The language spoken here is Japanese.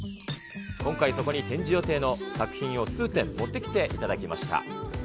今回そこに展示予定の作品を数点、持ってきていただきました。